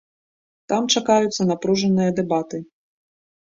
Там чакаюцца напружаныя дэбаты.